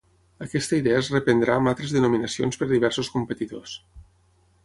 Aquesta idea es reprendrà amb altres denominacions per diversos competidors.